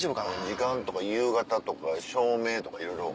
時間とか夕方とか照明とかいろいろ。